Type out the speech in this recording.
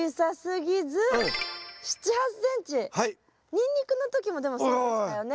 ニンニクの時もでもそうでしたよね。